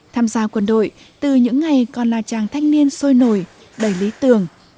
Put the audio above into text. tham gia quân đội từ những ngày còn là chàng thanh niên sôi nổi đầy lý tưởng